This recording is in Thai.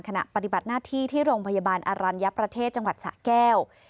ขณะปฏิบัติหน้าที่ที่โรงพยาบาลอรัญญประเทศจังหวัดสะแก้ว